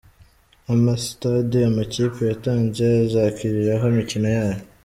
Amastade amakipe yatanze azakiriraho imikino yayo: .